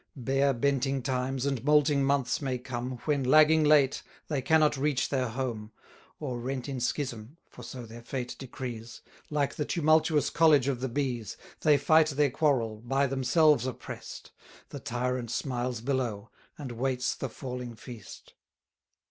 Bare benting times, and moulting months may come, When, lagging late, they cannot reach their home; Or, rent in schism (for so their fate decrees), Like the tumultuous college of the bees, They fight their quarrel, by themselves oppress'd; The tyrant smiles below, and waits the falling feast.